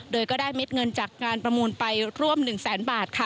โดยก็ได้เม็ดเงินจากการประมูลไปร่วม๑๐๐๐๐๐บาท